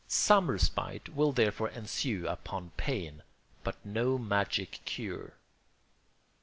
Some respite will therefore ensue upon pain, but no magic cure.